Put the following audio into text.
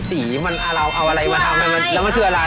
สีมันเราเอาอะไรมาทำแล้วมันคืออะไร